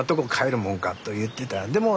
でも